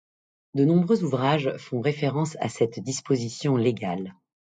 De nombreux ouvrages font référence à cette disposition légale.